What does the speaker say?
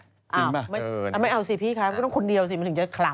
เอาไม่เอาสิพี่คะก็ต้องคนเดียวสิมันถึงจะขลัง